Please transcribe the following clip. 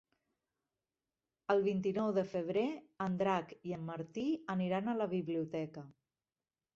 El vint-i-nou de febrer en Drac i en Martí aniran a la biblioteca.